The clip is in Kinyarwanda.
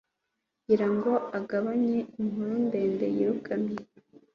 Kugira ngo agabanye inkuru ndende, yirukanwe.